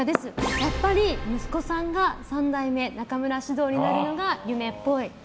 やっぱり、息子さんが三代目中村獅童になるのが夢っぽい。